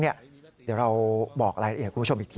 เดี๋ยวเราบอกรายละเอียดคุณผู้ชมอีกที